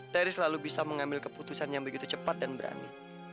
teri selalu bisa mengambil keputusan yang begitu cepat dan berani